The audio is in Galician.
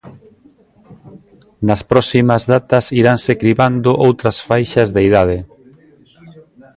Nas próximas datas iranse cribando outras faixas de idade.